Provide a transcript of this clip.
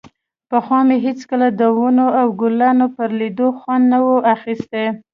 پخوا مې هېڅکله د ونو او ګلانو پر ليدو خوند نه و اخيستى.